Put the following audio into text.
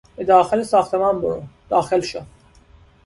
به داخل ساختمان برو! داخل شو!